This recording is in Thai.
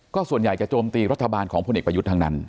ก็ส่วนใหญ่จะโจมตีรัฐบาลของพลเอกประยุทธ์ทั้งนั้น